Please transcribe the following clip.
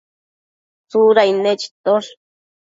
Tsudain nechitosh